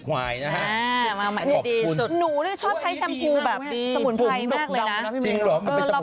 มาใหม่ดีสุดดีมากดีดีดูดอกดอกนะพี่เมลว